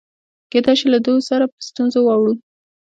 کېدای شي له دوی سره په ستونزه واوړو.